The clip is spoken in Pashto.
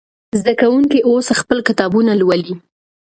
زده کوونکي اوس خپل کتابونه لولي.